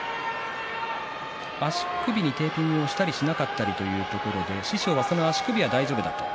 足首にテーピングをしたりしなかったりというところで師匠はその足首は大丈夫だと。